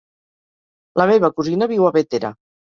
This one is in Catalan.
La meva cosina viu a Bétera.